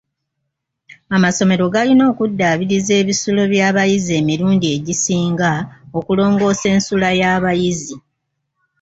Amasomero galina okudaabiriza ebisulo by'abayizi emirundi egisinga okulongoosa ensula y'abayizi .